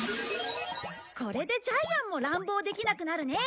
これでジャイアンも乱暴できなくなるね。